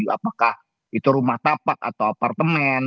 apakah itu rumah tapak atau apartemen